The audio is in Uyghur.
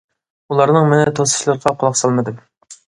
ئۇلارنىڭ مېنى توسۇشلىرىغا قۇلاق سالمىدىم.